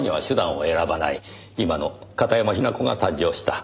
今の片山雛子が誕生した。